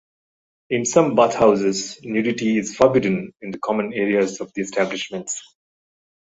In some bathhouses nudity is forbidden in the common areas of the establishments.